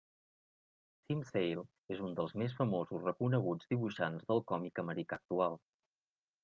Tim Sale és un dels més famosos i reconeguts dibuixants del còmic americà actual.